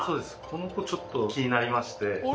この子ちょっと気になりまして」